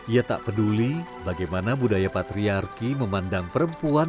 ia tak peduli bagaimana budaya patriarki memandang perempuan